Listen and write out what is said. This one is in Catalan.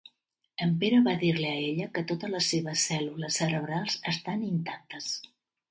En Pere vs dir-li a ella que totes les seves cèl·lules cerebrals estan intactes.